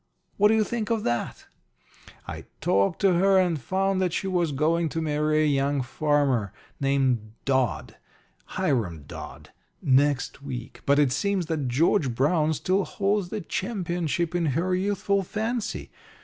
_ What do you think of that? "I talked to her, and found that she was going to marry a young farmer named Dodd Hiram Dodd next week. But it seems that George Brown still holds the championship in her youthful fancy.